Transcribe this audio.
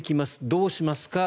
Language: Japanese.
どうしますか。